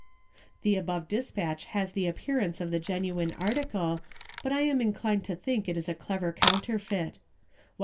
The above despatch has the appearance of the genuine article but I am inclined to think it a clever counterfeit.